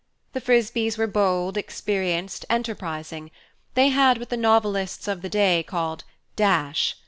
The Frisbees were bold, experienced, enterprising: they had what the novelists of the day called "dash."